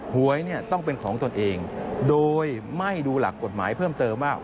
หวยเนี่ยต้องเป็นของตนเองโดยไม่ดูหลักกฎหมายเพิ่มเติมว่า